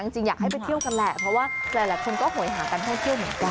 จริงอยากให้ไปเที่ยวกันแหละเพราะว่าหลายคนก็โหยหากันท่องเที่ยวเหมือนกัน